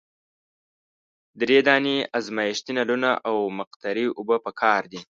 دری دانې ازمیښتي نلونه او مقطرې اوبه پکار دي.